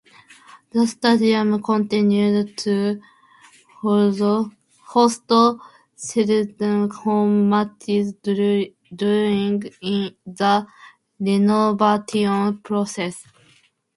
The stadium continued to host Celta's home matches during the renovation process.